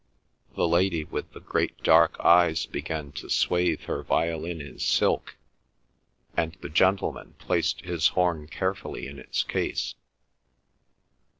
The lady with the great dark eyes began to swathe her violin in silk, and the gentleman placed his horn carefully in its case.